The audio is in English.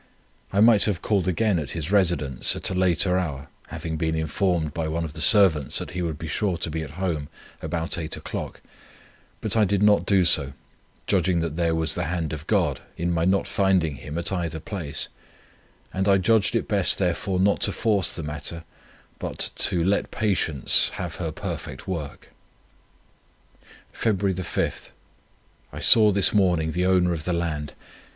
I might have called again at his residence, at a later hour having been informed by one of the servants that he would be sure to be at home about eight o'clock; but I did not do so, judging that there was the hand of God in my not finding him at either place: and I judged it best therefore not to force the matter, but to 'let patience have her perfect work.' "Feb. 5. Saw this morning the owner of the land.